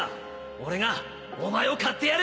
俺がお前を買ってやる！